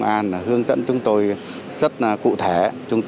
vì vậy người dân chúng tôi ngày càng được nhiều tiện ích